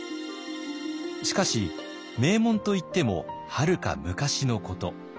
しかし名門といってもはるか昔のこと。